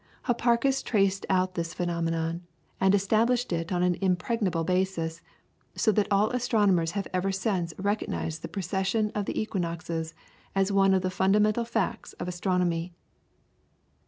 Hipparchus traced out this phenomenon, and established it on an impregnable basis, so that all astronomers have ever since recognised the precession of the equinoxes as one of the fundamental facts of astronomy.